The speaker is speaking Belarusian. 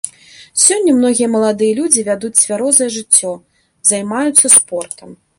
Сёння многія маладыя людзі вядуць цвярозае жыццё, займаюцца спортам.